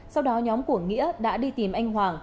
sau đó nhóm của nghĩa đã đi tìm anh hoàng